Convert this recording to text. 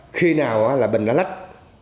khi nào bình lã lách